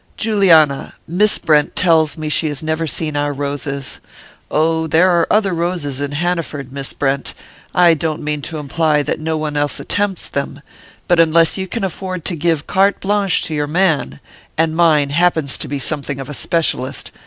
"Juliana, Miss Brent tells me she has never seen our roses. Oh, there are other roses in Hanaford, Miss Brent; I don't mean to imply that no one else attempts them; but unless you can afford to give carte blanche to your man and mine happens to be something of a specialist...